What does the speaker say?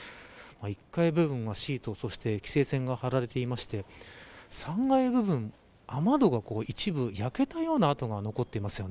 １階部分はシート、そして規制線が張られていまして３階部分雨戸が一部焼けたような跡が残っています。